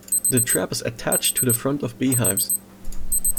The trap is attached to the front of beehives.